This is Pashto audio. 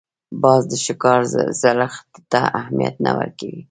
باز د ښکار زړښت ته اهمیت نه ورکوي